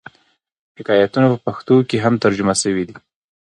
حکایتونه په پښتو کښي هم ترجمه سوي دي.